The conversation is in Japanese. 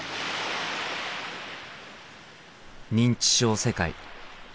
「認知症世界」。